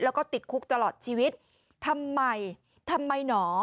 แล้วก็ติดคุกตลอดชีวิตทำไมทำไมหนอ